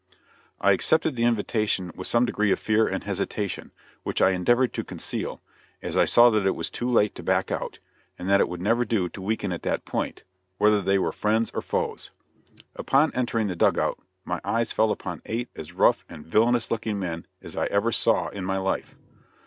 I accepted the invitation with some degree of fear and hesitation, which I endeavored to conceal, as I saw that it was too late to back out, and that it would never do to weaken at that point, whether they were friends or foes. Upon entering the dug out my eyes fell upon eight as rough and villainous looking men as I ever saw in my life.